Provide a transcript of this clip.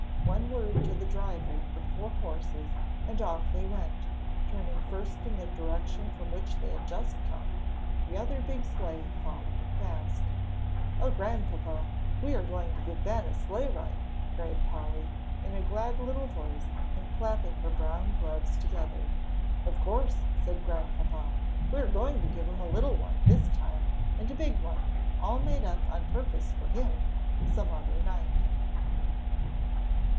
One word to the driver of the four horses and off they went, turning first in the direction from which they had just come the other big sleigh following fast. "Oh, Grandpapa, we are going to give Ben a sleigh ride," cried Polly, in a glad little voice, and clapping her brown gloves together. "Of course," said Grandpapa; "we are going to give him a little one this time, and a big one, all made up on purpose for him, some other night."